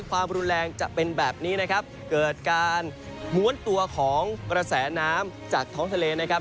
ความรุนแรงจะเป็นแบบนี้นะครับเกิดการม้วนตัวของกระแสน้ำจากท้องทะเลนะครับ